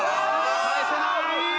返せない！